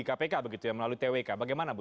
karena itu adalah satu instrumen yang sangat penting